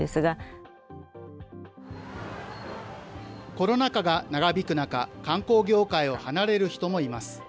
コロナ禍が長引く中、観光業界を離れる人もいます。